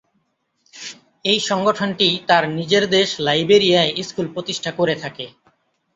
এই সংগঠনটি তার নিজের দেশ লাইবেরিয়ায় স্কুল প্রতিষ্ঠা করে থাকে।